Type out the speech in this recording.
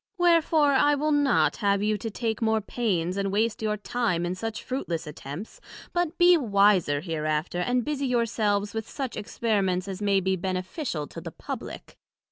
Wherefore, I will not have you to take more pains, and waste your time in such fruitless attempts, but be wiser hereafter, and busie your selves with such Experiments as may be beneficial to the publick.